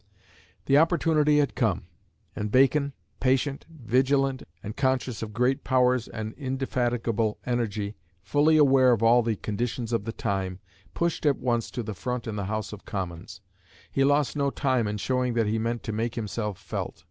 The opportunity had come; and Bacon, patient, vigilant, and conscious of great powers and indefatigable energy, fully aware of all the conditions of the time, pushed at once to the front in the House of Commons. He lost no time in showing that he meant to make himself felt.